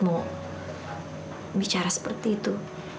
mau bicara seperti itu